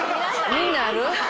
みんなある？